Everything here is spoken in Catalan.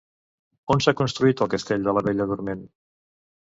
On s'ha construït el castell de la Bella Dorment?